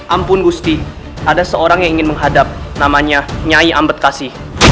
ampun gusti ada seorang yang ingin menghadap namanya nyai ambet kasih